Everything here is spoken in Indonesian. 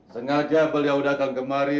sengaja beliau udah akan kemari